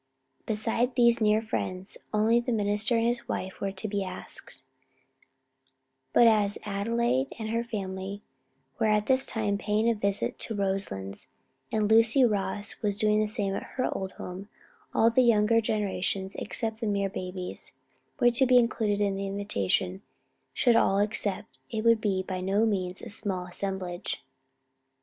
Beside these near friends only the minister and his wife were to be asked; but as Adelaide and her family were at this time paying a visit to Roselands, and Lucy Ross was doing the same at her old home, and all the younger generation except the mere babies, were to be included in the invitation, should all accept it would be by no means a small assemblage.